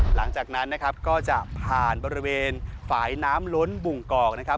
หลังจากนั้นนะครับก็จะผ่านบริเวณฝ่ายน้ำล้นบุ่งกอกนะครับ